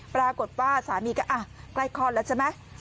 ปรากฏว่าสามีก็ใกล้คลอดแล้วใช่ไหม